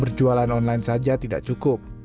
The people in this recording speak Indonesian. berjualan online saja tidak cukup